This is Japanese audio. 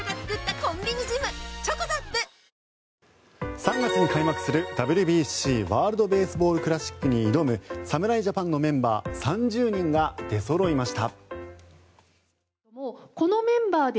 ３月に開幕するＷＢＣ＝ワールド・ベースボール・クラシックに挑む侍ジャパンのメンバー３０人が出そろいました。